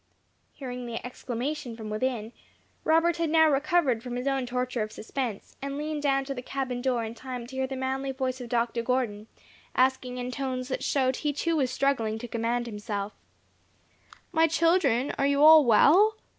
Hearing the exclamation from within, Robert had now recovered from his own torture of suspense, and leaned down to the cabin door in time to hear the manly voice of Dr. Gordon, asking in tones that showed he too was struggling to command himself, "My children, are you all well?"